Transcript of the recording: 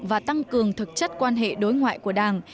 và tăng cường thực chất quan hệ đối ngoại của đảng